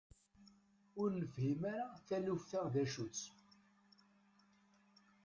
Ur nefhim ara taluft-a d acu-tt.